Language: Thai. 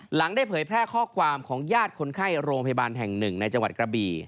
ได้เผยแพร่ข้อความของญาติคนไข้โรงพยาบาลแห่งหนึ่งในจังหวัดกระบี่